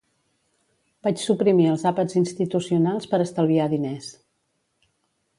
Vaig suprimir els àpats institucionals per estalviar diners